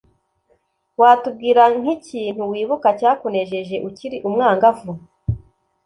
watubwira nk’ikintu wibuka cyakunejeje ukiri umwangavu?